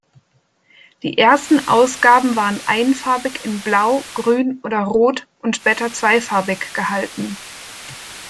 Die ersten Ausgaben waren einfarbig in Blau, Grün oder Rot und später zweifarbig gehalten.